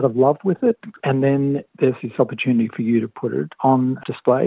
dan kemudian ada kesempatan untuk anda menempatkannya di display